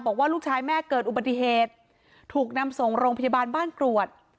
บอกว่าลูกชายแม่เกิดอุบัติเหตุถูกนำส่งโรงพยาบาลบ้านกรวด